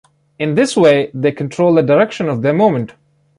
In this way they control the direction of their movement.